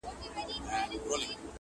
نه هغه ښکلي پخواني خلک په سترګو وینم!.